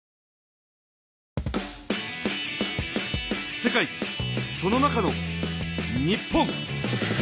世界その中の日本。